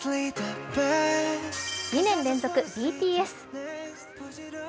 ２年連続、ＢＴＳ。